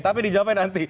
tapi dijawabin nanti